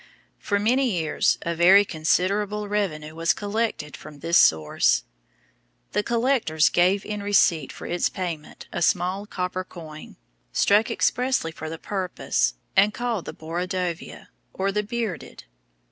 For many years, a very considerable revenue was collected from this source. The collectors gave in receipt for its payment a small copper coin, struck expressly for the purpose, and called the "borodováia," or "the bearded."